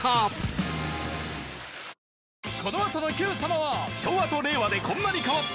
このあとの『Ｑ さま！！』は昭和と令和でこんなに変わった！